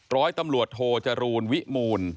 ร้อยตำรวจโทจรูลวิมูล